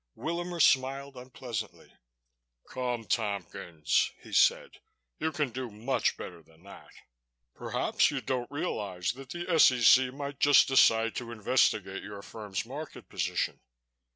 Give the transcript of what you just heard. Willamer smiled unpleasantly. "Come, Tompkins," he said, "you can do much better than that. Perhaps you don't realize that the S.E.C. might just decide to investigate your firm's market position.